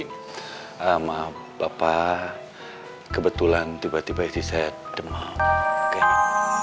sama bapak kebetulan tiba tiba diset demam kayaknya